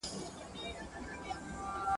پر ما مارنګ دی